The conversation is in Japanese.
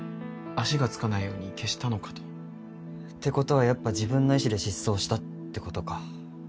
足がつかないように消したのかと。ってことはやっぱ自分の意思で失踪したってことか。